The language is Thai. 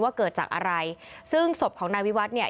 เกิดจากอะไรซึ่งศพของนายวิวัฒน์เนี่ย